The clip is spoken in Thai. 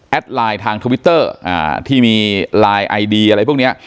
ไลน์ทางทวิตเตอร์ที่มีไลน์ไอดีอะไรพวกเนี้ย